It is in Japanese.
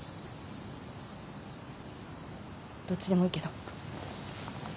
どっちでもいいけど。